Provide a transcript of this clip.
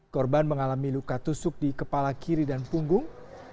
korban mengalami luka tusuk di kepala kiri dan punggung